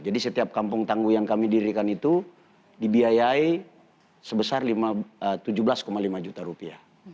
jadi setiap kampung tangguh yang kami dirikan itu dibiayai sebesar tujuh belas lima juta rupiah